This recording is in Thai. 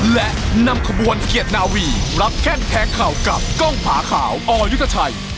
และนำขบวนเกียรตินาวีรับแข้งแทงเข่ากับกล้องผาขาวอยุทธชัย